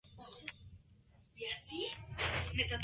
Se quedó sin equipo por primera vez en noviembre.